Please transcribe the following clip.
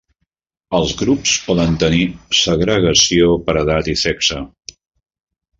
Els grups poden tenir segregació per edat i sexe.